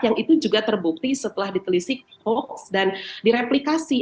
yang itu juga terbukti setelah ditelisik hoax dan direplikasi